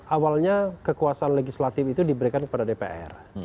awalnya kekuasaan legislatif itu diberikan kepada dpr